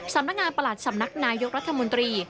สำนักงานประหลัดสำนักนายกรัฐมนตรี